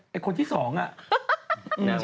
แต่นี่กระโดดเลย